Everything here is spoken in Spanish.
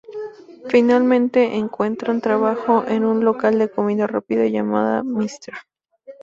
Finalmente encuentran trabajo en un local de comida rápida llamada Mr.